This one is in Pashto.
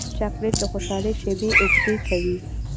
چاکلېټ د خوشحالۍ شېبې اوږدې کوي.